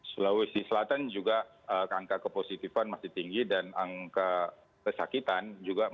sulawesi selatan juga angka kepositifan masih tinggi dan angka kesakitan